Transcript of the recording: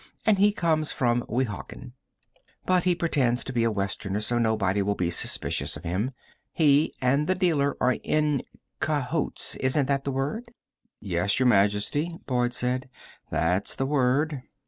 And he comes from Weehawken. But he pretends to be a Westerner so nobody will be suspicious of him. He and the dealer are in cahoots ... isn't that the word?" "Yes, Your Majesty," Boyd said. "That's the word."